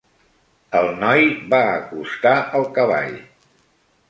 El noi va acostar el cavall.